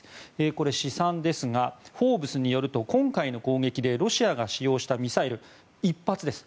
これ、試算ですが「フォーブス」によると今回の攻撃でロシアが使用したミサイル１発です